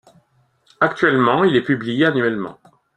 Actuellement il est publié annuellement.